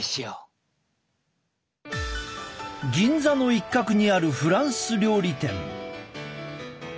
銀座の一角にあるフランス料理店。